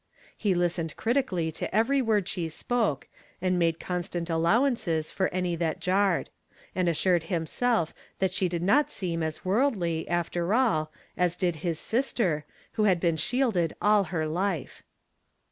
He listened critically to every word she spoke, and maae constant allowances for any that jarred ; and assured himself that she did not seom as worldly, after all, as did his sister, who had been shielded all her life.